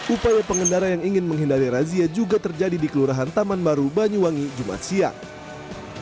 upaya pengendara yang ingin menghindari razia juga terjadi di kelurahan taman baru banyuwangi jumat siang